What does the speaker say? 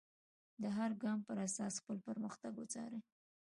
د هر ګام پر اساس خپل پرمختګ وڅارئ.